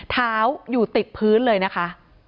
เท้าอยู่ติดพื้นเลยนะคะ